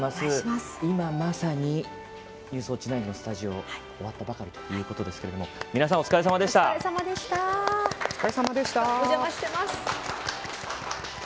今、まさに「ニュースウオッチ９」のスタジオ終わったばかりということですが皆さん、お疲れさまでした。